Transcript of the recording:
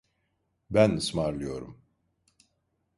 Ben ısmarlıyorum.